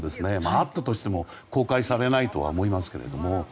あったとしても公開されないとは思うんですけど。